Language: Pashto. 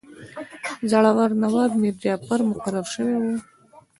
زوړ نواب میرجعفر مقرر شوی وو.